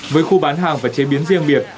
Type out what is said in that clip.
với khu bán hàng và chế biến riêng biệt